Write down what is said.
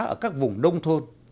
ở các vùng đông thôn